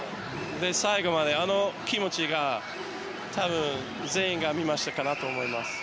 最後まで、あの気持ちが多分、全員がありましたかなと思います。